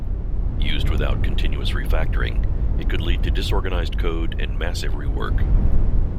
Used without continuous refactoring, it could lead to disorganized code and massive rework.